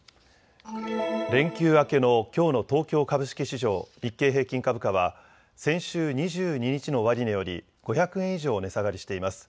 連休明けのきょうの東京株式市場、日経平均株価は先週２２日の終値より５００円以上値下がりしています。